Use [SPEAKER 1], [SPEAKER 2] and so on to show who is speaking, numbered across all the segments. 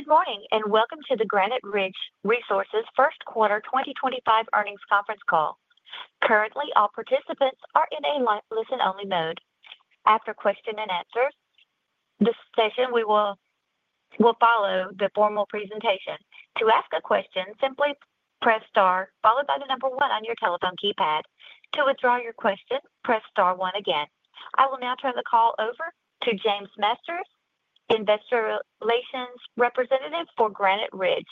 [SPEAKER 1] Good morning and welcome to the Granite Ridge Resources First Quarter 2025 earnings conference call. Currently, all participants are in a listen-only mode. After question and answer session, we will follow the formal presentation. To ask a question, simply press star, followed by the number one on your telephone keypad. To withdraw your question, press star one again. I will now turn the call over to James Masters, Investor Relations Representative for Granite Ridge.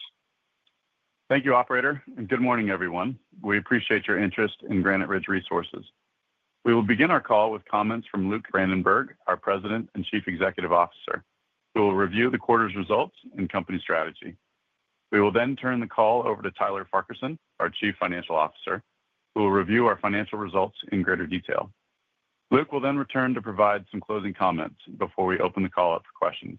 [SPEAKER 2] Thank you, Operator, and good morning, everyone. We appreciate your interest in Granite Ridge Resources. We will begin our call with comments from Luke Brandenberg, our President and Chief Executive Officer, who will review the quarter's results and company strategy. We will then turn the call over to Tyler Farquharson, our Chief Financial Officer, who will review our financial results in greater detail. Luke will then return to provide some closing comments before we open the call up for questions.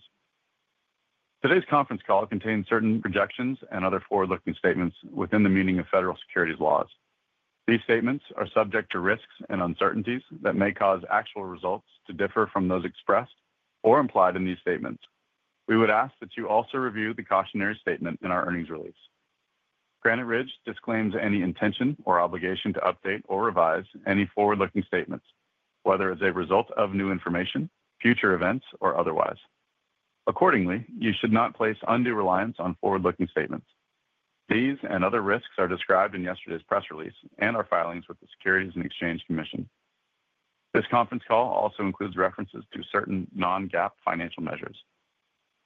[SPEAKER 2] Today's conference call contains certain projections and other forward-looking statements within the meaning of federal securities laws. These statements are subject to risks and uncertainties that may cause actual results to differ from those expressed or implied in these statements. We would ask that you also review the cautionary statement in our earnings release. Granite Ridge disclaims any intention or obligation to update or revise any forward-looking statements, whether as a result of new information, future events, or otherwise. Accordingly, you should not place undue reliance on forward-looking statements. These and other risks are described in yesterday's press release and our filings with the Securities and Exchange Commission. This conference call also includes references to certain non-GAAP financial measures.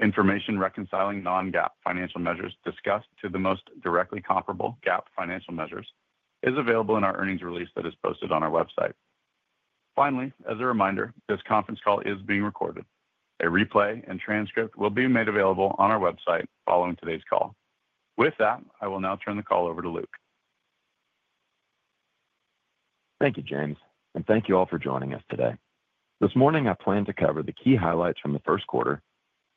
[SPEAKER 2] Information reconciling non-GAAP financial measures discussed to the most directly comparable GAAP financial measures is available in our earnings release that is posted on our website. Finally, as a reminder, this conference call is being recorded. A replay and transcript will be made available on our website following today's call. With that, I will now turn the call over to Luke.
[SPEAKER 3] Thank you, James, and thank you all for joining us today. This morning, I plan to cover the key highlights from the first quarter,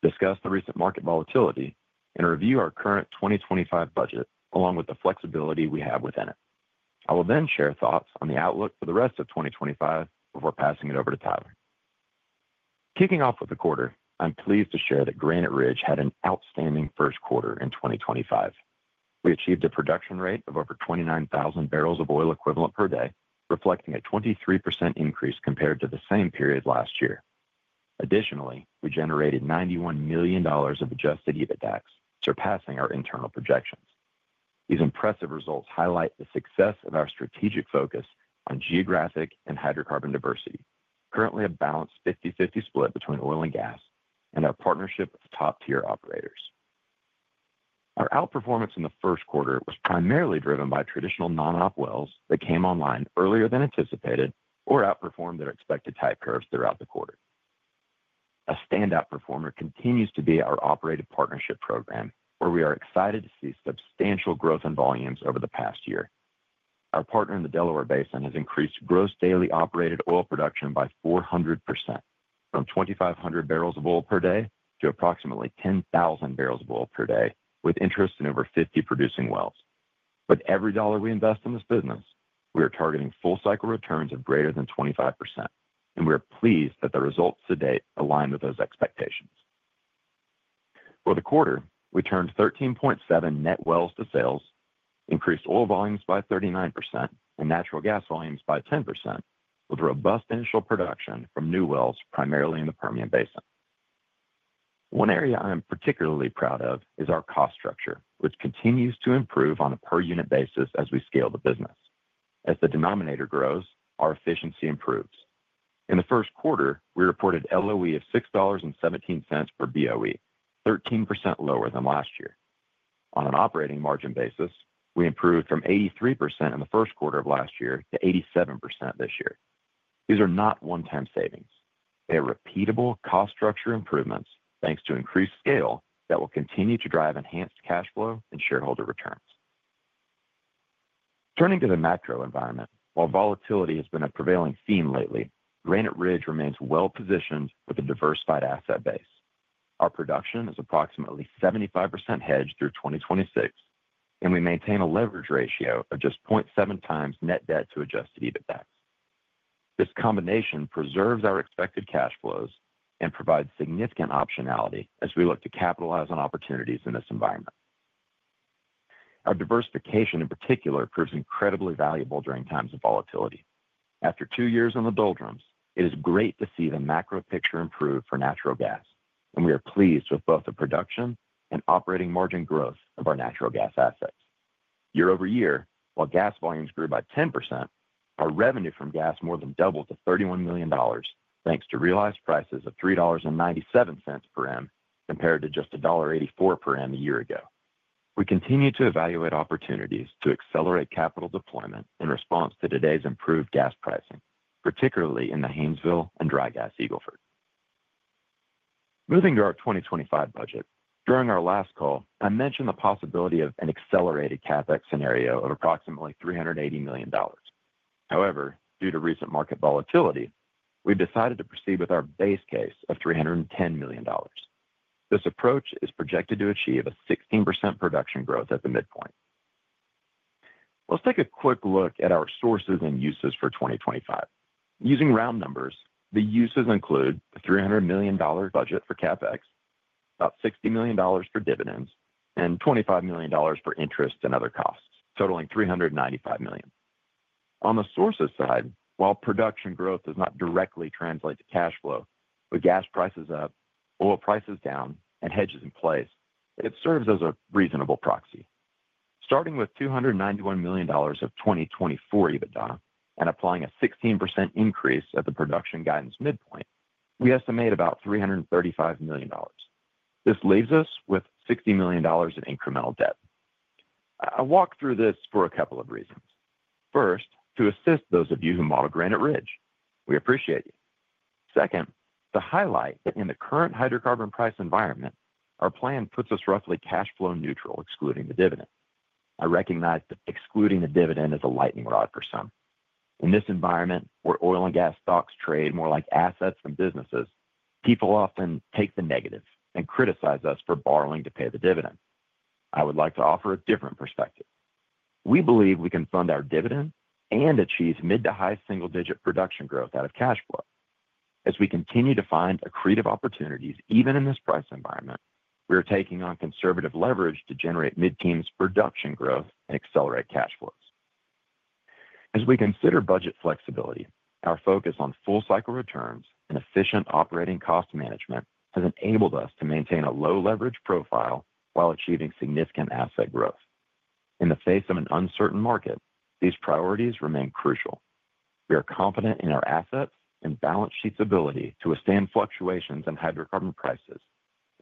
[SPEAKER 3] discuss the recent market volatility, and review our current 2025 budget along with the flexibility we have within it. I will then share thoughts on the outlook for the rest of 2025 before passing it over to Tyler. Kicking off with the quarter, I'm pleased to share that Granite Ridge Resources had an outstanding first quarter in 2025. We achieved a production rate of over 29,000 barrels of oil equivalent per day, reflecting a 23% increase compared to the same period last year. Additionally, we generated $91 million of adjusted EBITDA tax, surpassing our internal projections. These impressive results highlight the success of our strategic focus on geographic and hydrocarbon diversity, currently a balanced 50/50 split between oil and gas, and our partnership with top-tier operators. Our outperformance in the first quarter was primarily driven by traditional non-op wells that came online earlier than anticipated or outperformed their expected type curves throughout the quarter. A standout performer continues to be our operated partnership program, where we are excited to see substantial growth in volumes over the past year. Our partner in the Delaware Basin has increased gross daily operated oil production by 400%, from 2,500 barrels of oil per day to approximately 10,000 barrels of oil per day, with interest in over 50 producing wells. With every dollar we invest in this business, we are targeting full-cycle returns of greater than 25%, and we are pleased that the results to date align with those expectations. For the quarter, we turned 13.7 net wells to sales, increased oil volumes by 39%, and natural gas volumes by 10%, with robust initial production from new wells primarily in the Permian Basin. One area I am particularly proud of is our cost structure, which continues to improve on a per-unit basis as we scale the business. As the denominator grows, our efficiency improves. In the first quarter, we reported LOE of $6.17 per BOE, 13% lower than last year. On an operating margin basis, we improved from 83% in the first quarter of last year to 87% this year. These are not one-time savings. They are repeatable cost structure improvements thanks to increased scale that will continue to drive enhanced cash flow and shareholder returns. Turning to the macro environment, while volatility has been a prevailing theme lately, Granite Ridge remains well-positioned with a diversified asset base. Our production is approximately 75% hedged through 2026, and we maintain a leverage ratio of just 0.7 times net debt to adjusted EBITDA tax. This combination preserves our expected cash flows and provides significant optionality as we look to capitalize on opportunities in this environment. Our diversification, in particular, proves incredibly valuable during times of volatility. After two years in the doldrums, it is great to see the macro picture improve for natural gas, and we are pleased with both the production and operating margin growth of our natural gas assets. Year over year, while gas volumes grew by 10%, our revenue from gas more than doubled to $31 million, thanks to realized prices of $3.97 per M compared to just $1.84 per M a year ago. We continue to evaluate opportunities to accelerate capital deployment in response to today's improved gas pricing, particularly in the Haynesville and dry gas Eagle Ford. Moving to our 2025 budget, during our last call, I mentioned the possibility of an accelerated CapEx scenario of approximately $380 million. However, due to recent market volatility, we've decided to proceed with our base case of $310 million. This approach is projected to achieve a 16% production growth at the midpoint. Let's take a quick look at our sources and uses for 2025. Using round numbers, the uses include the $300 million budget for CapEx, about $60 million for dividends, and $25 million for interest and other costs, totaling $395 million. On the sources side, while production growth does not directly translate to cash flow, with gas prices up, oil prices down, and hedges in place, it serves as a reasonable proxy. Starting with $291 million of 2024 EBITDA and applying a 16% increase at the production guidance midpoint, we estimate about $335 million. This leaves us with $60 million in incremental debt. I walk through this for a couple of reasons. First, to assist those of you who model Granite Ridge, we appreciate you. Second, to highlight that in the current hydrocarbon price environment, our plan puts us roughly cash flow neutral, excluding the dividend. I recognize that excluding the dividend is a lightning rod for some. In this environment, where oil and gas stocks trade more like assets than businesses, people often take the negative and criticize us for borrowing to pay the dividend. I would like to offer a different perspective. We believe we can fund our dividend and achieve mid to high single-digit production growth out of cash flow. As we continue to find accretive opportunities, even in this price environment, we are taking on conservative leverage to generate mid-teens production growth and accelerate cash flows. As we consider budget flexibility, our focus on full-cycle returns and efficient operating cost management has enabled us to maintain a low-leverage profile while achieving significant asset growth. In the face of an uncertain market, these priorities remain crucial. We are confident in our assets and balance sheet's ability to withstand fluctuations in hydrocarbon prices,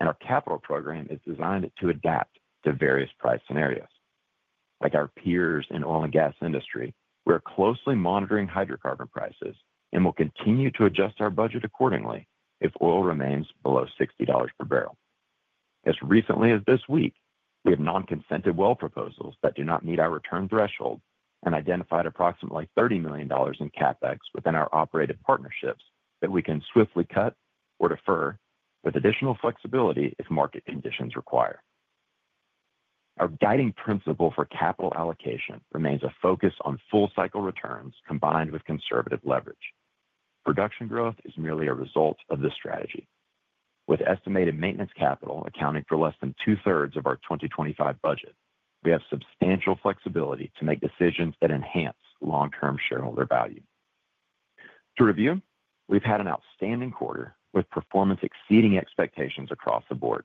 [SPEAKER 3] and our capital program is designed to adapt to various price scenarios. Like our peers in the oil and gas industry, we are closely monitoring hydrocarbon prices and will continue to adjust our budget accordingly if oil remains below $60 per barrel. As recently as this week, we have non-consented well proposals that do not meet our return threshold and identified approximately $30 million in CapEx within our operated partnerships that we can swiftly cut or defer with additional flexibility if market conditions require. Our guiding principle for capital allocation remains a focus on full-cycle returns combined with conservative leverage. Production growth is merely a result of this strategy. With estimated maintenance capital accounting for less than two-thirds of our 2025 budget, we have substantial flexibility to make decisions that enhance long-term shareholder value. To review, we've had an outstanding quarter with performance exceeding expectations across the board.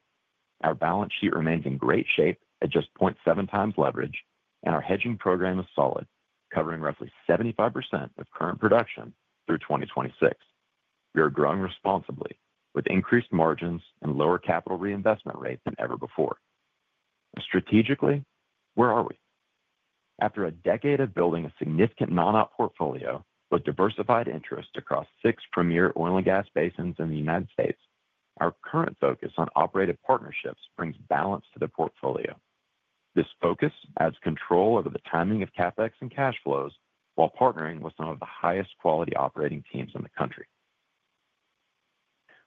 [SPEAKER 3] Our balance sheet remains in great shape at just 0.7 times leverage, and our hedging program is solid, covering roughly 75% of current production through 2026. We are growing responsibly, with increased margins and lower capital reinvestment rates than ever before. Strategically, where are we? After a decade of building a significant non-op portfolio with diversified interest across six premier oil and gas basins in the United States, our current focus on operated partnerships brings balance to the portfolio. This focus adds control over the timing of CapEx and cash flows while partnering with some of the highest quality operating teams in the country.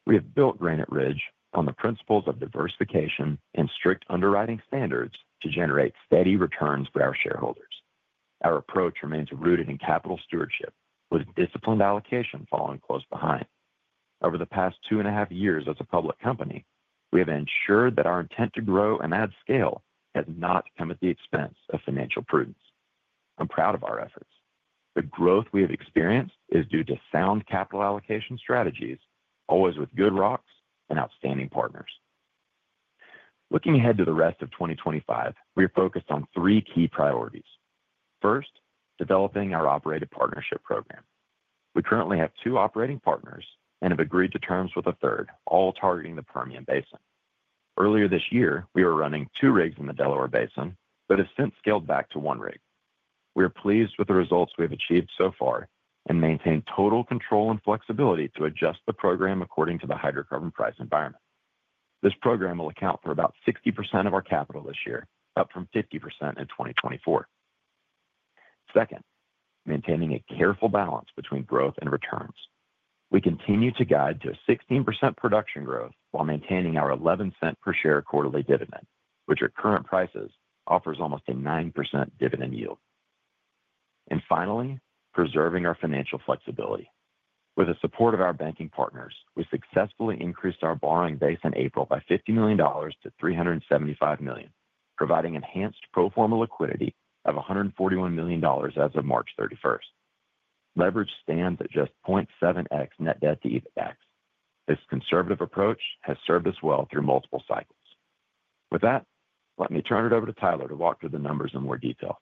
[SPEAKER 3] We have built Granite Ridge on the principles of diversification and strict underwriting standards to generate steady returns for our shareholders. Our approach remains rooted in capital stewardship, with disciplined allocation following close behind. Over the past two and a half years as a public company, we have ensured that our intent to grow and add scale has not come at the expense of financial prudence. I'm proud of our efforts. The growth we have experienced is due to sound capital allocation strategies, always with good rocks and outstanding partners. Looking ahead to the rest of 2025, we are focused on three key priorities. First, developing our operated partnership program. We currently have two operating partners and have agreed to terms with a third, all targeting the Permian Basin. Earlier this year, we were running two rigs in the Delaware Basin but have since scaled back to one rig. We are pleased with the results we have achieved so far and maintain total control and flexibility to adjust the program according to the hydrocarbon price environment. This program will account for about 60% of our capital this year, up from 50% in 2024. Second, maintaining a careful balance between growth and returns. We continue to guide to a 16% production growth while maintaining our $0.11 per share quarterly dividend, which at current prices offers almost a 9% dividend yield. Finally, preserving our financial flexibility. With the support of our banking partners, we successfully increased our borrowing base in April by $50 million to $375 million, providing enhanced pro forma liquidity of $141 million as of March 31. Leverage stands at just 0.7x net debt to EBITDA tax. This conservative approach has served us well through multiple cycles. With that, let me turn it over to Tyler to walk through the numbers in more detail.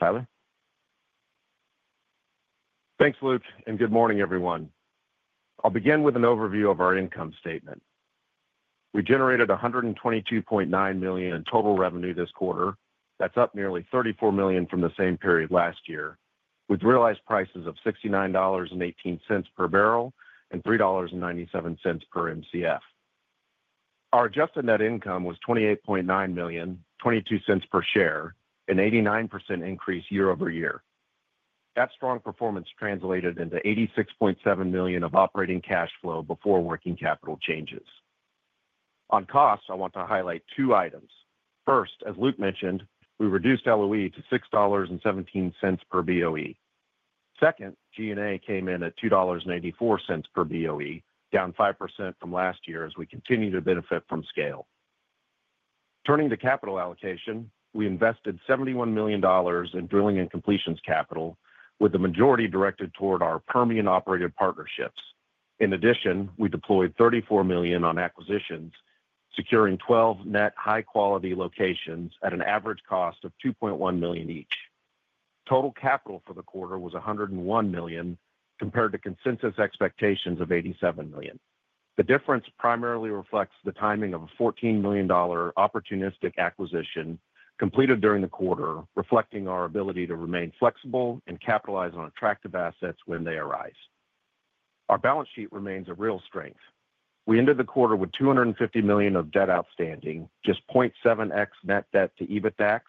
[SPEAKER 3] Tyler?
[SPEAKER 4] Thanks, Luke, and good morning, everyone. I'll begin with an overview of our income statement. We generated $122.9 million in total revenue this quarter. That's up nearly $34 million from the same period last year, with realized prices of $69.18 per barrel and $3.97 per MCF. Our adjusted net income was $28.9 million, $0.22 per share, an 89% increase year over year. That strong performance translated into $86.7 million of operating cash flow before working capital changes. On costs, I want to highlight two items. First, as Luke mentioned, we reduced LOE to $6.17 per BOE. Second, G&A came in at $2.84 per BOE, down 5% from last year as we continue to benefit from scale. Turning to capital allocation, we invested $71 million in drilling and completions capital, with the majority directed toward our Permian operated partnerships. In addition, we deployed $34 million on acquisitions, securing 12 net high-quality locations at an average cost of $2.1 million each. Total capital for the quarter was $101 million compared to consensus expectations of $87 million. The difference primarily reflects the timing of a $14 million opportunistic acquisition completed during the quarter, reflecting our ability to remain flexible and capitalize on attractive assets when they arise. Our balance sheet remains a real strength. We ended the quarter with $250 million of debt outstanding, just 0.7x net debt to EBITDA tax,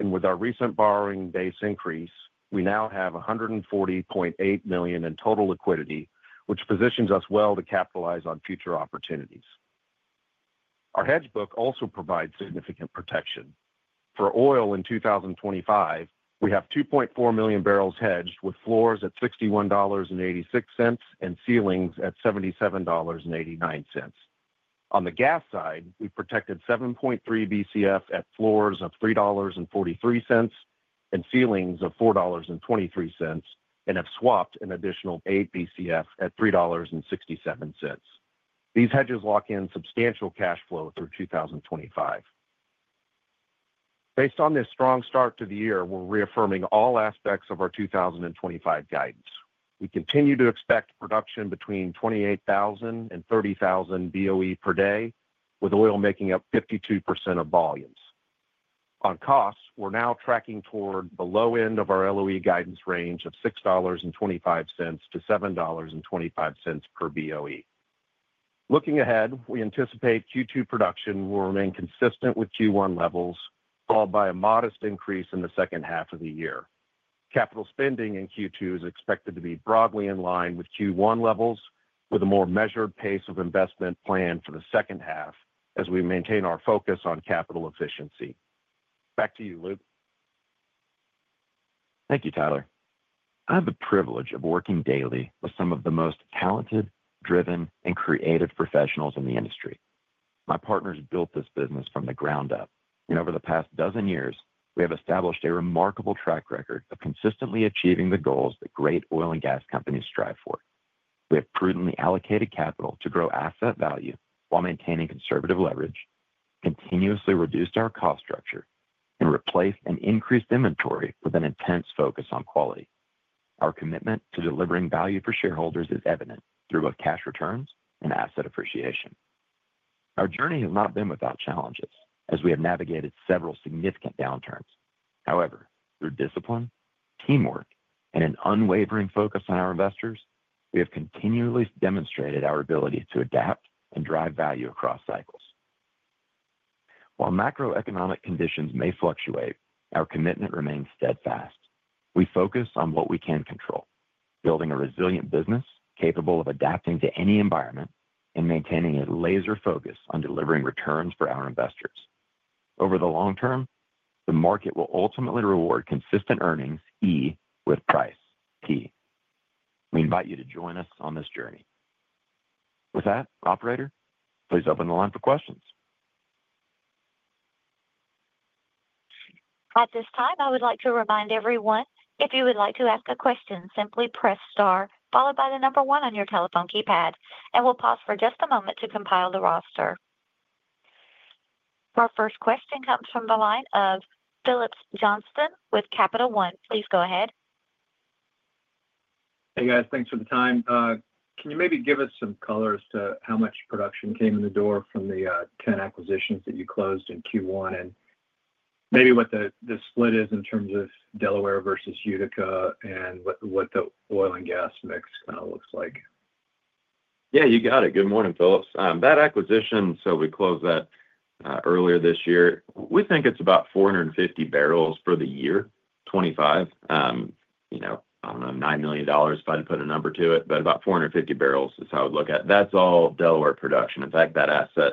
[SPEAKER 4] and with our recent borrowing base increase, we now have $140.8 million in total liquidity, which positions us well to capitalize on future opportunities. Our hedge book also provides significant protection. For oil in 2025, we have 2.4 million barrels hedged, with floors at $61.86 and ceilings at $77.89. On the gas side, we've protected 7.3 BCF at floors of $3.43 and ceilings of $4.23 and have swapped an additional eight BCF at $3.67. These hedges lock in substantial cash flow through 2025. Based on this strong start to the year, we're reaffirming all aspects of our 2025 guidance. We continue to expect production between 28,000 and 30,000 BOE per day, with oil making up 52% of volumes. On costs, we're now tracking toward the low end of our LOE guidance range of $6.25-$7.25 per BOE. Looking ahead, we anticipate Q2 production will remain consistent with Q1 levels, followed by a modest increase in the second half of the year. Capital spending in Q2 is expected to be broadly in line with Q1 levels, with a more measured pace of investment planned for the second half as we maintain our focus on capital efficiency. Back to you, Luke.
[SPEAKER 3] Thank you, Tyler. I have the privilege of working daily with some of the most talented, driven, and creative professionals in the industry. My partners built this business from the ground up, and over the past dozen years, we have established a remarkable track record of consistently achieving the goals that great oil and gas companies strive for. We have prudently allocated capital to grow asset value while maintaining conservative leverage, continuously reduced our cost structure, and replaced and increased inventory with an intense focus on quality. Our commitment to delivering value for shareholders is evident through both cash returns and asset appreciation. Our journey has not been without challenges as we have navigated several significant downturns. However, through discipline, teamwork, and an unwavering focus on our investors, we have continually demonstrated our ability to adapt and drive value across cycles. While macroeconomic conditions may fluctuate, our commitment remains steadfast. We focus on what we can control, building a resilient business capable of adapting to any environment and maintaining a laser focus on delivering returns for our investors. Over the long term, the market will ultimately reward consistent earnings "E" with price "P". We invite you to join us on this journey. With that, operator, please open the line for questions.
[SPEAKER 1] At this time, I would like to remind everyone, if you would like to ask a question, simply press star, followed by the number one on your telephone keypad, and we'll pause for just a moment to compile the roster. Our first question comes from the line of Phillips Johnston with Capital One. Please go ahead.
[SPEAKER 5] Hey, guys. Thanks for the time. Can you maybe give us some color as to how much production came in the door from the 10 acquisitions that you closed in Q1 and maybe what the split is in terms of Delaware versus Utica and what the oil and gas mix kind of looks like?
[SPEAKER 3] Yeah, you got it. Good morning, Phillips. That acquisition, so we closed that earlier this year, we think it's about 450 barrels for the year, 2025. I don't know, $9 million if I had to put a number to it, but about 450 barrels is how I would look at it. That's all Delaware production. In fact, that asset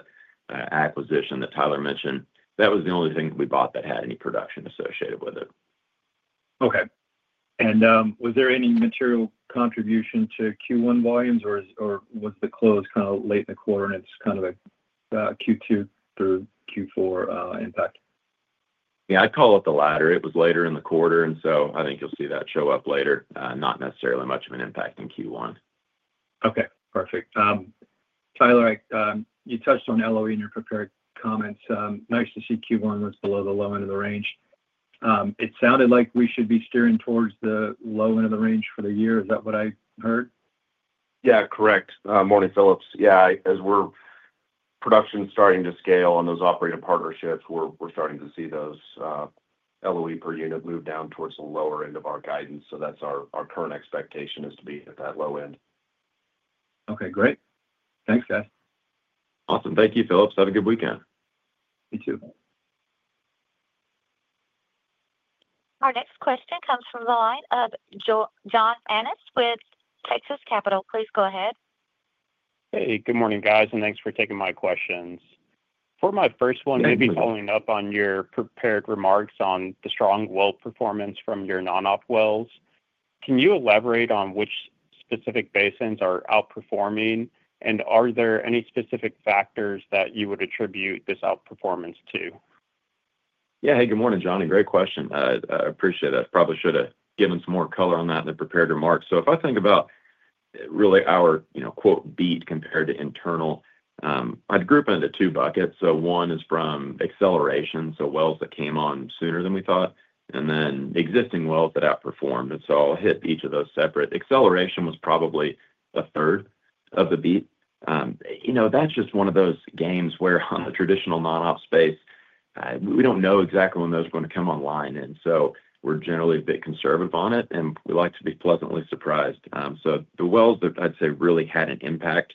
[SPEAKER 3] acquisition that Tyler mentioned, that was the only thing that we bought that had any production associated with it.
[SPEAKER 5] Okay. Was there any material contribution to Q1 volumes, or was the close kind of late in the quarter and it's kind of a Q2 through Q4 impact?
[SPEAKER 3] Yeah, I'd call it the latter. It was later in the quarter, and so I think you'll see that show up later. Not necessarily much of an impact in Q1.
[SPEAKER 5] Okay. Perfect. Tyler, you touched on LOE in your prepared comments. Nice to see Q1 was below the low end of the range. It sounded like we should be steering towards the low end of the range for the year. Is that what I heard?
[SPEAKER 4] Yeah, correct. Morning, Phillips. Yeah, as we're production starting to scale on those operated partnerships, we're starting to see those LOE per unit move down towards the lower end of our guidance. So that's our current expectation is to be at that low end.
[SPEAKER 5] Okay. Great. Thanks, guys.
[SPEAKER 4] Awesome. Thank you, Phillips. Have a good weekend.
[SPEAKER 5] You too.
[SPEAKER 1] Our next question comes from the line of John Annis with Texas Capital. Please go ahead.
[SPEAKER 6] Hey, good morning, guys, and thanks for taking my questions. For my first one, maybe following up on your prepared remarks on the strong well performance from your non-op wells, can you elaborate on which specific basins are outperforming, and are there any specific factors that you would attribute this outperformance to?
[SPEAKER 3] Yeah. Hey, good morning, Johnny. Great question. I appreciate it. I probably should have given some more color on that in the prepared remarks. If I think about really our "beat" compared to internal, I'd group it into two buckets. One is from acceleration, so wells that came on sooner than we thought, and then existing wells that outperformed. I'll hit each of those separate. Acceleration was probably a third of the beat. That's just one of those games where on the traditional non-op space, we do not know exactly when those are going to come online, and we are generally a bit conservative on it, and we like to be pleasantly surprised. The wells that I'd say really had an impact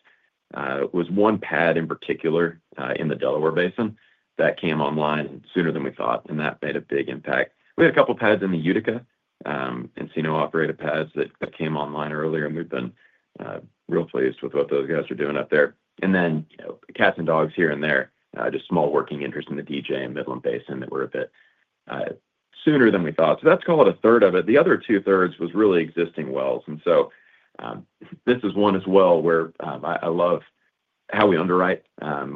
[SPEAKER 3] was one pad in particular in the Delaware Basin that came online sooner than we thought, and that made a big impact. We had a couple of pads in the Utica and Seno operated pads that came online earlier, and we've been real pleased with what those guys are doing up there. Then cats and dogs here and there, just small working interest in the DJ and Midland Basin that were a bit sooner than we thought. That's called a third of it. The other two thirds was really existing wells. This is one as well where I love how we underwrite.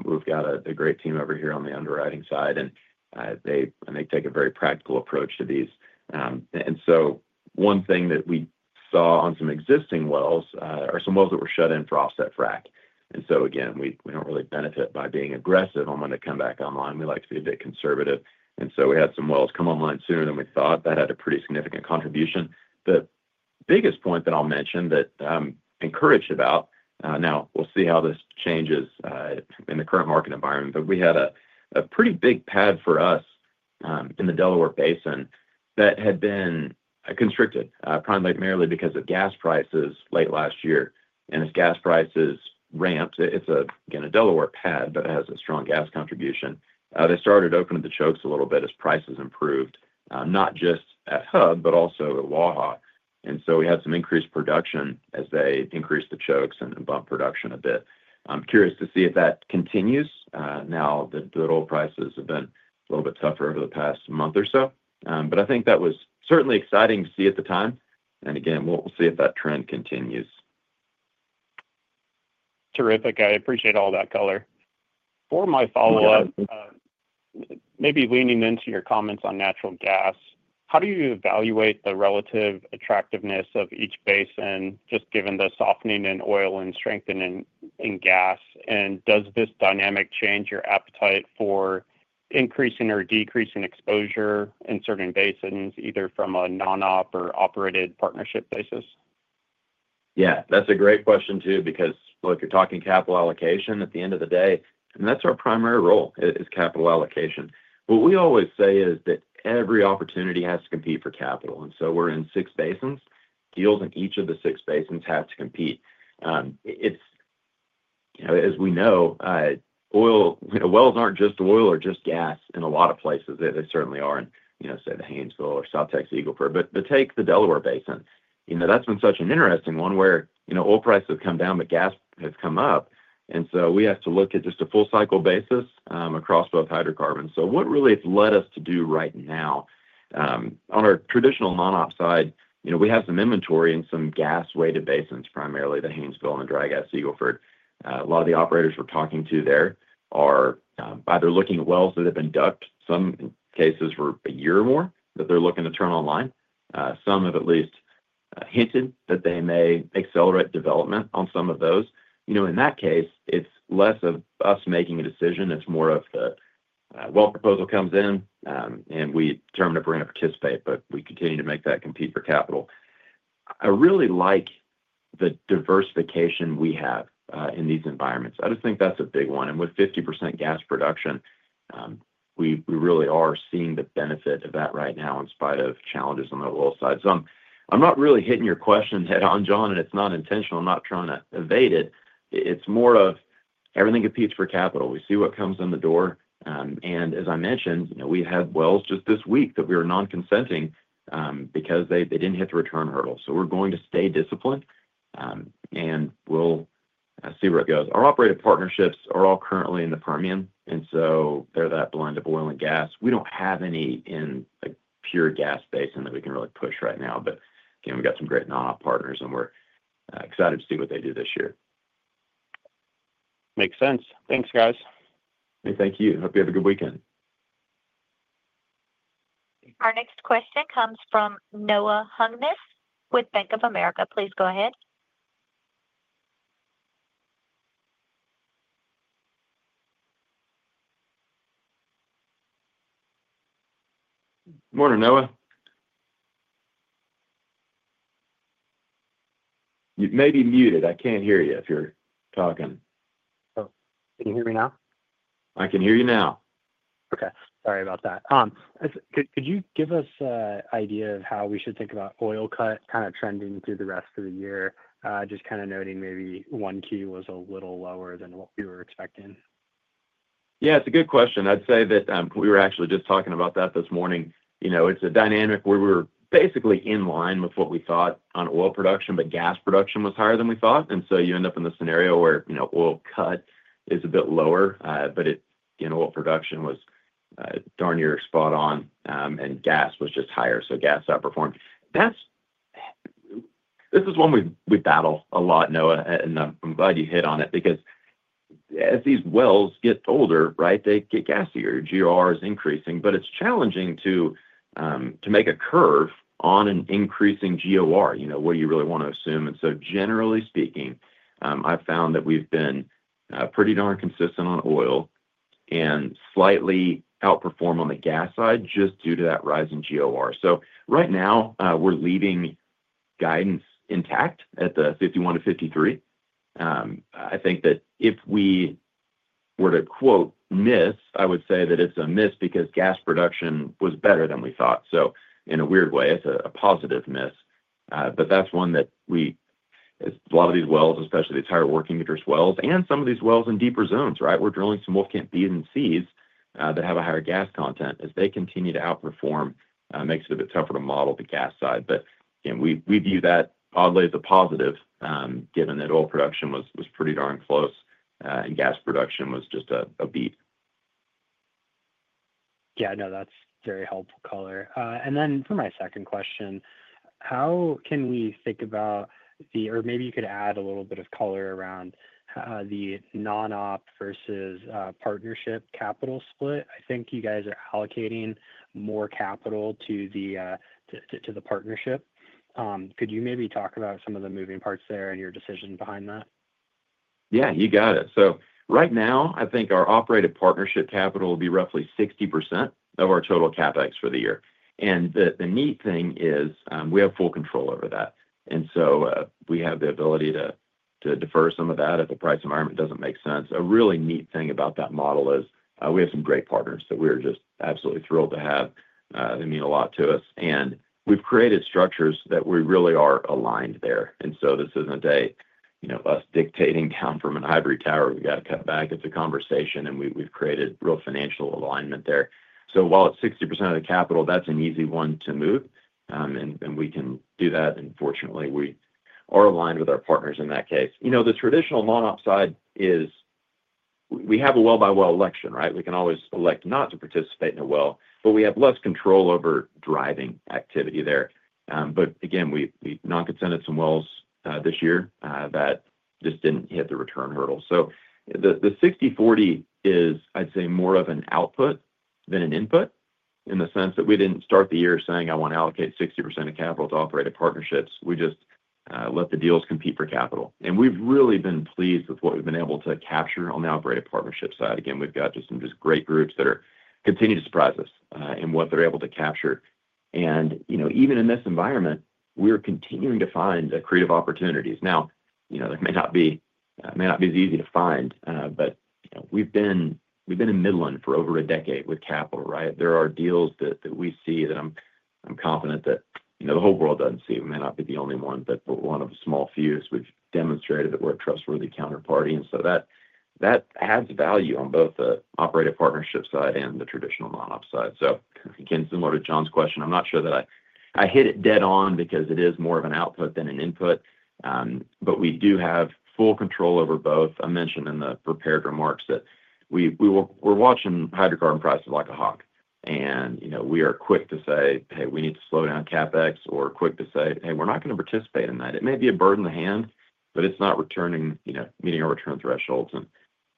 [SPEAKER 3] We've got a great team over here on the underwriting side, and they take a very practical approach to these. One thing that we saw on some existing wells are some wells that were shut in for offset frack. Again, we do not really benefit by being aggressive on when they come back online. We like to be a bit conservative. We had some wells come online sooner than we thought. That had a pretty significant contribution. The biggest point that I'll mention that I'm encouraged about, now we'll see how this changes in the current market environment, we had a pretty big pad for us in the Delaware Basin that had been constricted primarily because of gas prices late last year. As gas prices ramped, it is again a Delaware pad, but it has a strong gas contribution. They started opening the chokes a little bit as prices improved, not just at HUB, but also at Waha. We had some increased production as they increased the chokes and bumped production a bit. I'm curious to see if that continues. Now, the oil prices have been a little bit tougher over the past month or so, but I think that was certainly exciting to see at the time. Again, we'll see if that trend continues.
[SPEAKER 6] Terrific. I appreciate all that color. For my follow-up, maybe leaning into your comments on natural gas, how do you evaluate the relative attractiveness of each basin just given the softening in oil and strengthening in gas? Does this dynamic change your appetite for increasing or decreasing exposure in certain basins, either from a non-op or operated partnership basis?
[SPEAKER 3] Yeah. That's a great question too because if you're talking capital allocation, at the end of the day, and that's our primary role, is capital allocation. What we always say is that every opportunity has to compete for capital. We're in six basins. Deals in each of the six basins have to compete. As we know, wells aren't just oil or just gas in a lot of places. They certainly are in, say, the Haynesville or South Texas Eagle Ford. Take the Delaware Basin. That's been such an interesting one where oil prices have come down, but gas has come up. We have to look at just a full-cycle basis across both hydrocarbons. What really has led us to do right now? On our traditional non-op side, we have some inventory in some gas-weighted basins, primarily the Haynesville and the dry gas Eagle Ford. A lot of the operators we are talking to there are either looking at wells that have been ducked, some cases for a year or more, that they are looking to turn online. Some have at least hinted that they may accelerate development on some of those. In that case, it is less of us making a decision. It is more of the well proposal comes in, and we determine if we are going to participate, but we continue to make that compete for capital. I really like the diversification we have in these environments. I just think that is a big one. With 50% gas production, we really are seeing the benefit of that right now in spite of challenges on the oil side. I am not really hitting your question head-on, John, and it is not intentional. I am not trying to evade it. It is more of everything competes for capital. We see what comes in the door. As I mentioned, we had wells just this week that we were non-consenting because they did not hit the return hurdle. We are going to stay disciplined, and we will see where it goes. Our operated partnerships are all currently in the Permian, and they are that blend of oil and gas. We do not have any in a pure gas basin that we can really push right now. Again, we have some great non-op partners, and we are excited to see what they do this year.
[SPEAKER 6] Makes sense. Thanks, guys.
[SPEAKER 3] Hey, thank you. Hope you have a good weekend.
[SPEAKER 1] Our next question comes from Noah Hungness with Bank of America. Please go ahead.
[SPEAKER 3] Good morning, Noah. You may be muted. I can't hear you if you're talking.
[SPEAKER 7] Can you hear me now?
[SPEAKER 3] I can hear you now.
[SPEAKER 7] Okay. Sorry about that. Could you give us an idea of how we should think about oil cut kind of trending through the rest of the year? Just kind of noting maybe 1Q was a little lower than what we were expecting.
[SPEAKER 3] Yeah, it's a good question. I'd say that we were actually just talking about that this morning. It's a dynamic where we were basically in line with what we thought on oil production, but gas production was higher than we thought. You end up in the scenario where oil cut is a bit lower, but oil production was darn near spot on, and gas was just higher. Gas outperformed. This is one we battle a lot, Noah, and I'm glad you hit on it because as these wells get older, right, they get gassier. GOR is increasing, but it's challenging to make a curve on an increasing GOR, what do you really want to assume? Generally speaking, I've found that we've been pretty darn consistent on oil and slightly outperform on the gas side just due to that rising GOR. Right now, we're leaving guidance intact at the 51-53. I think that if we were to "miss," I would say that it's a miss because gas production was better than we thought. In a weird way, it's a positive miss. That's one that we, a lot of these wells, especially these higher working interest wells, and some of these wells in deeper zones, right? We're drilling some Wolfcamp B and C that have a higher gas content. As they continue to outperform, it makes it a bit tougher to model the gas side. Again, we view that oddly as a positive given that oil production was pretty darn close and gas production was just a beat.
[SPEAKER 7] Yeah, no, that's very helpful color. For my second question, how can we think about the, or maybe you could add a little bit of color around the non-op versus partnership capital split? I think you guys are allocating more capital to the partnership. Could you maybe talk about some of the moving parts there and your decision behind that?
[SPEAKER 3] Yeah, you got it. Right now, I think our operated partnership capital would be roughly 60% of our total CapEx for the year. The neat thing is we have full control over that. We have the ability to defer some of that if the price environment does not make sense. A really neat thing about that model is we have some great partners that we are just absolutely thrilled to have. They mean a lot to us. We have created structures that we really are aligned there. This is not a day us dictating down from an ivory tower. We have got to cut back. It is a conversation, and we have created real financial alignment there. While it is 60% of the capital, that is an easy one to move, and we can do that. Fortunately, we are aligned with our partners in that case. The traditional non-op side is we have a well-by-well election, right? We can always elect not to participate in a well, but we have less control over driving activity there. We non-consented some wells this year that just did not hit the return hurdle. The 60/40 is, I'd say, more of an output than an input in the sense that we did not start the year saying, "I want to allocate 60% of capital to operated partnerships." We just let the deals compete for capital. We have really been pleased with what we have been able to capture on the operated partnership side. We have just some great groups that continue to surprise us in what they are able to capture. Even in this environment, we are continuing to find creative opportunities. Now, that may not be as easy to find, but we've been in Midland for over a decade with capital, right? There are deals that we see that I'm confident that the whole world doesn't see. We may not be the only one, but we're one of a small few. We've demonstrated that we're a trustworthy counterparty. That adds value on both the operated partnership side and the traditional non-op side. Again, similar to John's question, I'm not sure that I hit it dead on because it is more of an output than an input, but we do have full control over both. I mentioned in the prepared remarks that we're watching hydrocarbon prices like a hawk, and we are quick to say, "Hey, we need to slow down CapEx," or quick to say, "Hey, we're not going to participate in that." It may be a bird in the hand, but it's not meeting our return thresholds, and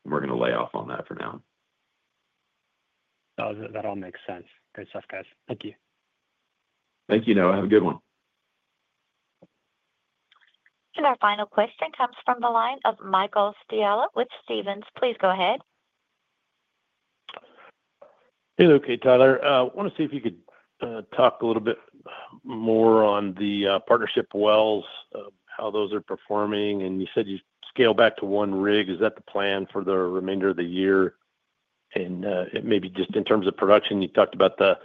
[SPEAKER 3] we're going to lay off on that for now.
[SPEAKER 7] That all makes sense. Great stuff, guys. Thank you.
[SPEAKER 3] Thank you, Noah. Have a good one.
[SPEAKER 1] Our final question comes from the line of Michael Scialla with Stephens. Please go ahead.
[SPEAKER 8] Hey, okay, Tyler. I want to see if you could talk a little bit more on the partnership wells, how those are performing. You said you scaled back to one rig. Is that the plan for the remainder of the year? Maybe just in terms of production, you talked about the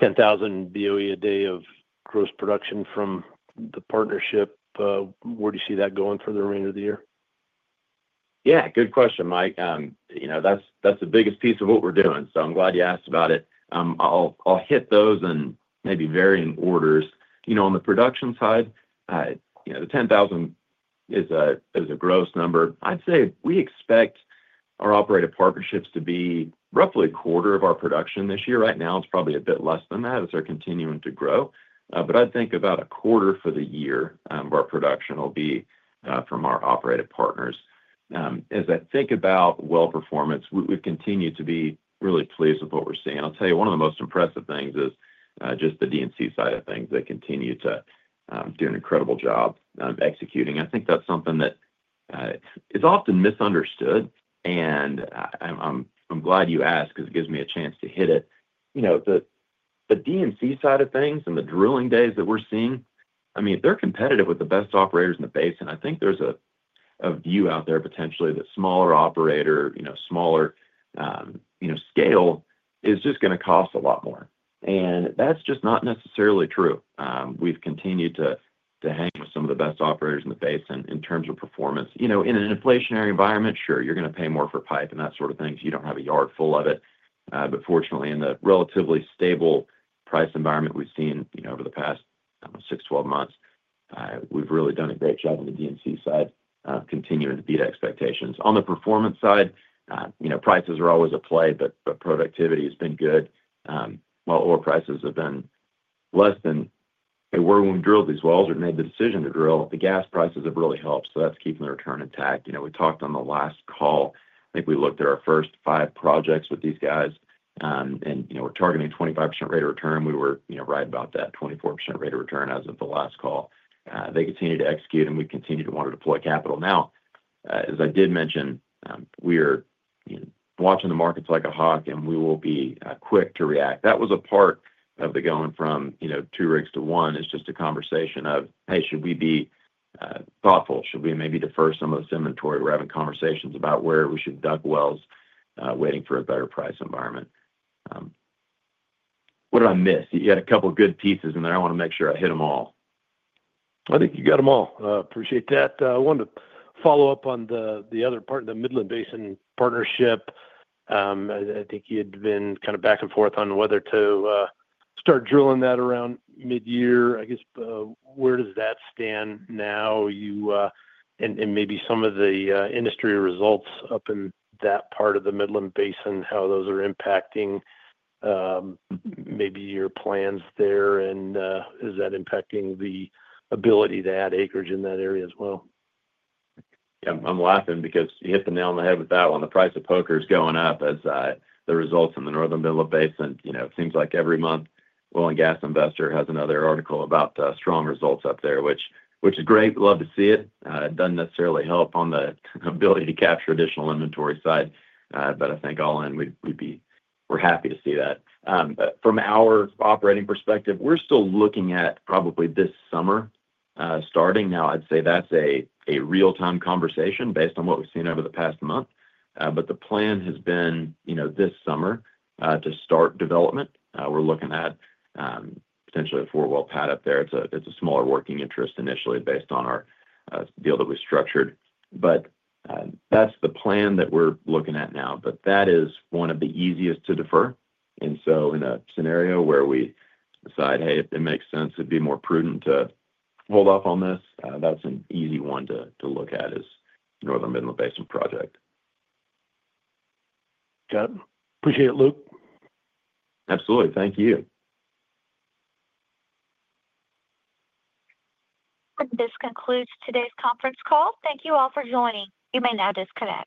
[SPEAKER 8] 10,000 BOE a day of gross production from the partnership. Where do you see that going for the remainder of the year?
[SPEAKER 3] Yeah, good question, Mike. That's the biggest piece of what we're doing. I'm glad you asked about it. I'll hit those in maybe varying orders. On the production side, the 10,000 is a gross number. I'd say we expect our operated partnerships to be roughly a quarter of our production this year. Right now, it's probably a bit less than that as they're continuing to grow. I'd think about a quarter for the year of our production will be from our operated partners. As I think about well performance, we've continued to be really pleased with what we're seeing. I'll tell you one of the most impressive things is just the DNC side of things that continue to do an incredible job executing. I think that's something that is often misunderstood. I'm glad you asked because it gives me a chance to hit it. The DNC side of things and the drilling days that we're seeing, I mean, they're competitive with the best operators in the basin. I think there's a view out there potentially that smaller operator, smaller scale is just going to cost a lot more. That's just not necessarily true. We've continued to hang with some of the best operators in the basin in terms of performance. In an inflationary environment, sure, you're going to pay more for pipe and that sort of thing if you don't have a yard full of it. Fortunately, in the relatively stable price environment we've seen over the past 6, 12 months, we've really done a great job on the DNC side, continuing to beat expectations. On the performance side, prices are always a play, but productivity has been good. While oil prices have been less than, "Hey, where we drilled these wells or made the decision to drill," the gas prices have really helped. That is keeping the return intact. We talked on the last call. I think we looked at our first five projects with these guys, and we are targeting a 25% rate of return. We were right about that 24% rate of return as of the last call. They continue to execute, and we continue to want to deploy capital. Now, as I did mention, we are watching the markets like a hawk, and we will be quick to react. That was a part of the going from two rigs to one is just a conversation of, "Hey, should we be thoughtful? Should we maybe defer some of this inventory?" We are having conversations about where we should duck wells waiting for a better price environment. What did I miss? You had a couple of good pieces in there. I want to make sure I hit them all.
[SPEAKER 8] I think you got them all. Appreciate that. I wanted to follow up on the other part of the Midland Basin partnership. I think you had been kind of back and forth on whether to start drilling that around mid-year. I guess, where does that stand now? Maybe some of the industry results up in that part of the Midland Basin, how those are impacting maybe your plans there, and is that impacting the ability to add acreage in that area as well?
[SPEAKER 3] Yeah, I'm laughing because you hit the nail on the head with that one. The price of poker is going up as the results in the Northern Midland Basin. It seems like every month, Oil and Gas Investor has another article about strong results up there, which is great. Love to see it. It does not necessarily help on the ability to capture additional inventory side, but I think all in, we're happy to see that. From our operating perspective, we're still looking at probably this summer starting. Now, I'd say that's a real-time conversation based on what we've seen over the past month. The plan has been this summer to start development. We're looking at potentially a four-well pad up there. It's a smaller working interest initially based on our deal that we structured. That's the plan that we're looking at now. That is one of the easiest to defer. In a scenario where we decide, "Hey, if it makes sense, it'd be more prudent to hold off on this," that's an easy one to look at is Northern Midland Basin project.
[SPEAKER 8] Got it. Appreciate it, Luke.
[SPEAKER 3] Absolutely. Thank you.
[SPEAKER 1] This concludes today's conference call. Thank you all for joining. You may now disconnect.